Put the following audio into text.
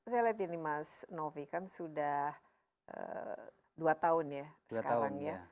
saya lihat ini mas novi kan sudah dua tahun ya sekarang ya